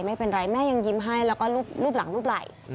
ไม่เป็นไรแม่ยังยิ้มให้แล้วก็รูปหลังรูปไหล่